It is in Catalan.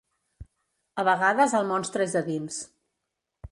A vegades el monstre és a dins.